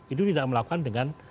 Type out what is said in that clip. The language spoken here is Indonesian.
itu tidak melakukan dengan